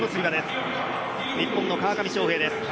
日本の川上翔平です。